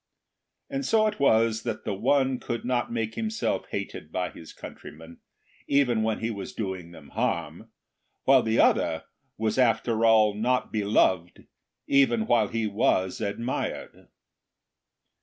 And so it was that the one could not make himself hated by his countrymen, even when he was doing them harm; while the other was after all not beloved, even while he was admired.